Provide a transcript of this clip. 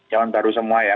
calon baru semua ya